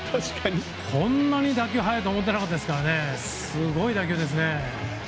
こんなに打球速いと思ってないですからすごい打球ですね。